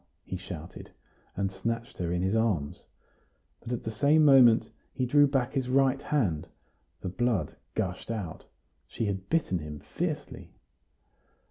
he shouted, and snatched her in his arms. But at the same moment he drew back his right hand; the blood gushed out; she had bitten him fiercely.